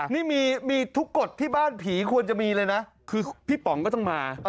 นี่มีทุกกฎที่บ้านผีควรจะมีเลยนะคือพี่ป๋องก็ต้องมา